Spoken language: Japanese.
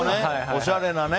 おしゃれなね。